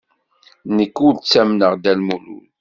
Nekk ur ttamneɣ Dda Lmulud.